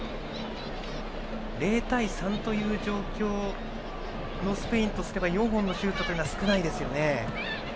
０対３という状況のスペインとすれば４本のシュートというのは少ないですよね。